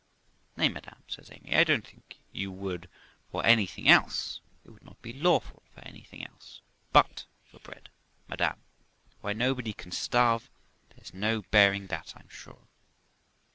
'Nay, madam', says Amy, 'I don't think you would for anything else; it would not be lawful for anything else, but for bread, madam; why, nobody can starve, there's no bearing that, I'm sure.'